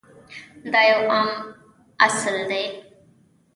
دا یو عام اصل دی.